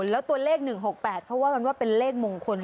แล้วตัวเลข๑๖๘เขาว่ากันว่าเป็นเลขมงคล